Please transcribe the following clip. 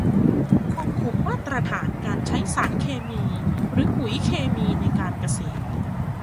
ควบคุมมาตรฐานการใช้สารเคมีหรือปุ๋ยเคมีในการเกษตร